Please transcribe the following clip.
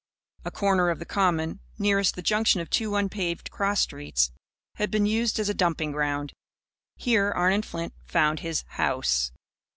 A corner of the Common, nearest the junction of two unpaved cross streets, had been used as a dumping ground. Here Arnon Flint found his "house."